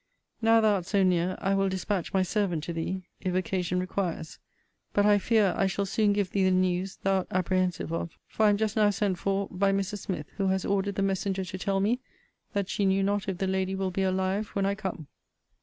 Now thou art so near, I will dispatch my servant to thee, if occasion requires. But, I fear, I shall soon give thee the news thou art apprehensive of. For I am just now sent for by Mrs. Smith; who has ordered the messenger to tell me, that she knew not if the lady will be alive when I come.